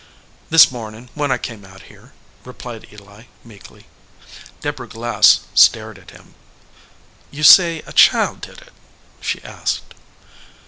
"This mornin when I come out here," replied Eli, meekly. Deborah Glass stared at him. "You say a child did it?" she asked.